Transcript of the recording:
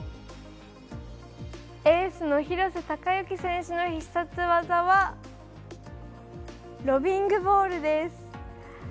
エースの廣瀬隆喜選手の必殺技はロビングボールです。